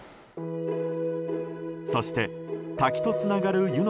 そして、滝とつながる湯ノ